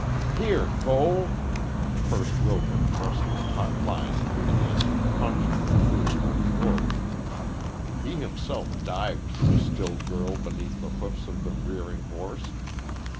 "Here, Cole!" The first roper thrust the taut line into the hands of a puncher who had run forward. He himself dived for the still girl beneath the hoofs of the rearing horse.